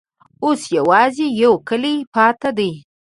اوس یوازي یو کلی پاته دی.